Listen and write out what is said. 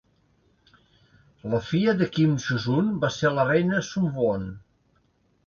La filla de Kim Josun va ser la Reina Sunwon.